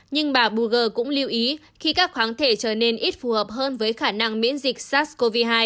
nhưng bà boogle cũng lưu ý khi các kháng thể trở nên ít phù hợp hơn với khả năng miễn dịch sars cov hai